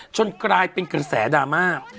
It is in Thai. กลายเป็นกระแสดราม่า